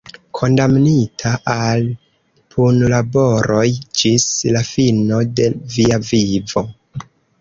Kondamnita al punlaboroj ĝis la fino de via vivo?